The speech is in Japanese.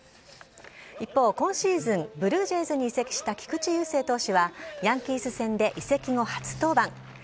一方、今シーズン、ブルージェイズに移籍した菊池雄星投手は、ヤンキース戦で移籍後初登板。